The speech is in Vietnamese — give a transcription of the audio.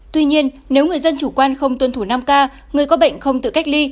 tuy nhiên nếu người dân chủ quan không tuân thủ năm k người có bệnh không tự cách ly